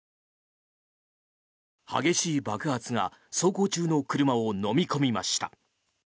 激しい爆発が走行中の車をのみ込みました。